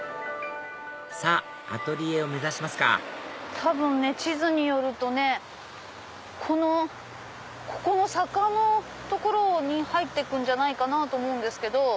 さぁアトリエを目指しますか多分ね地図によるとここの坂の所に入って行くんじゃないかなと思うんですけど。